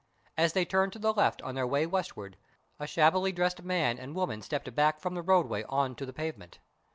As they turned to the left on their way westward, a shabbily dressed man and woman stepped back from the roadway on to the pavement.